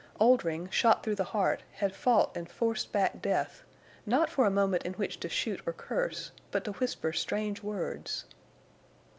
Oldring shot through the heart, had fought and forced back death, not for a moment in which to shoot or curse, but to whisper strange words.